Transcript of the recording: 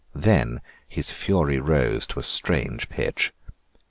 Then his fury rose to a strange pitch.